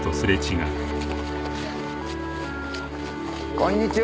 こんにちは。